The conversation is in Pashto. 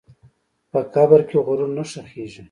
په قبر کې غرور نه ښخېږي.